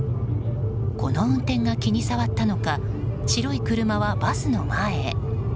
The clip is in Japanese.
この運転が気にさわったのか白い車はバスの前へ。